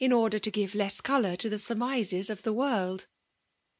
order to give less colour to the surmises of the world.